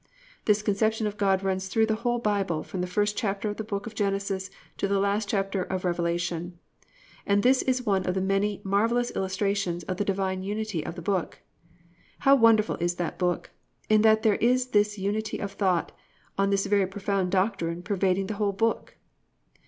This conception of God runs through the whole Bible from the first chapter of the book of Genesis to the last chapter of Revelation, and this is one of the many marvellous illustrations of the divine unity of the Book. How wonderful is that Book, in that there is this unity of thought on this very profound doctrine pervading the whole book!